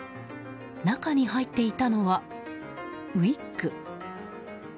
中に入っていたのは、ウィッグ。